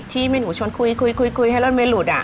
ที่เมนูช้อนคุยให้รถเมล์หลุด